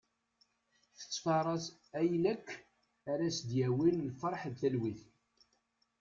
Tettfaras ayen akk ara as-d-yawin lferḥ d talwit.